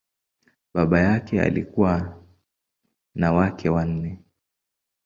Baba yake alikuwa na wake wanne.